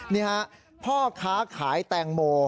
นี่ฮะพ่อค้าขายแตงโม